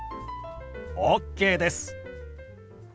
ＯＫです！